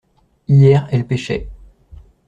Hier elles pêchaient.